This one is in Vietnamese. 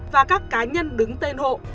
và các cá nhân đứng tên hộ